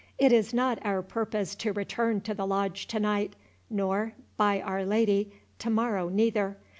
"It is not our purpose to return to the Lodge to night, nor, by Our Lady, to morrow neither.